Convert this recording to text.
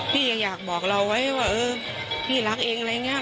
พี่ยังอยากบอกเราไว้ว่าเออพี่รักเองอะไรอย่างนี้